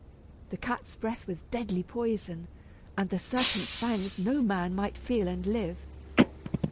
The cat's breath was deadly poison, and the serpents' fangs no man might feel and live.